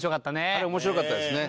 あれ面白かったですね。